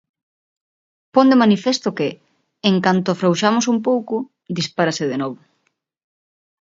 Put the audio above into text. Pon de manifesto que "en canto afrouxamos un pouco, dispárase de novo".